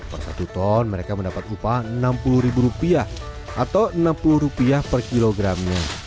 per satu ton mereka mendapat upah rp enam puluh atau rp enam puluh per kilogramnya